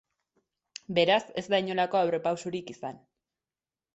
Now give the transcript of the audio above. Beraz, ez da inolako aurrerapausorik izan.